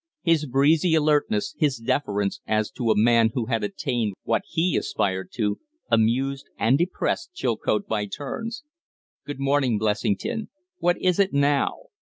His breezy alertness, his deference, as to a man who had attained what he aspired to, amused and depressed Chilcote by turns. "Good morning, Blessington. What is it now?"